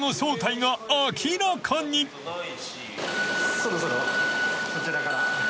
そろそろこちらから。